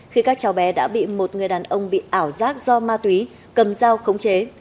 khi các cháu bé đã bị một người đàn ông bị ảo giác do ma túy cầm dao khống chế